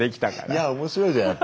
いや面白いじゃん